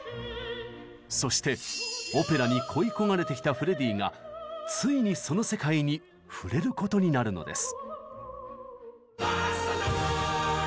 そしてオペラに恋い焦がれてきたフレディがついにその世界に触れることになるのです。